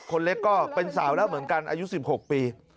คนเล็กก็เป็นสาวแล้วเหมือนกันอายุ๑๖ปี